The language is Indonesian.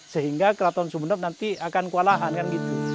sehingga keraton sumeneb nanti akan kewalahan